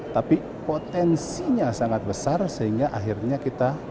tapi potensinya sangat besar sehingga akhirnya kita menggunakan teknologi